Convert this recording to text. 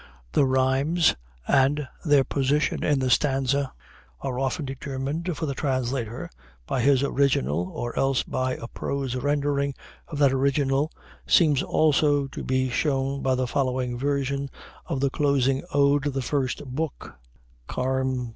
That rhymes and their position in the stanza are often determined for the translator by his original or else by a prose rendering of that original seems also to be shown by the following version of the closing ode of the first book (Carm.